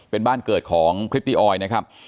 เป็นบ้านเกิดของพริตตี้ออยนะครับ